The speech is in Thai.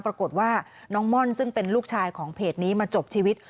ปรากฏว่าน้องม่อนซึ่งเป็นลูกชายของเพจนี้มาจบชีวิต